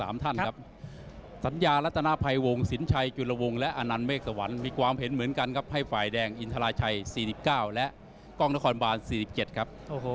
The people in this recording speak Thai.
มีความเห็นเหมือนกันครับให้ฝ่ายแดงอินทราชัย๔๙และกล้องนครบาน๔๗ครับโอ้โห